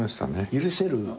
許せる。